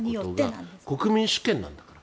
国民主権なんだから。